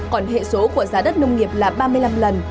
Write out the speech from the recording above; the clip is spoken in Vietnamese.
còn hệ số của giá đất nông nghiệp là ba mươi năm lần